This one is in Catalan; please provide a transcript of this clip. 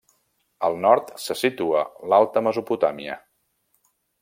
Al nord se situa l'Alta Mesopotàmia.